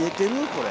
これ。